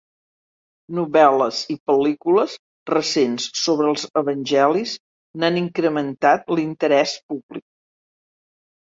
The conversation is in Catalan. Novel·les i pel·lícules recents sobre els evangelis n'han incrementat l'interès públic.